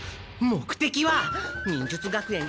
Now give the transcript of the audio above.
目的は忍術学園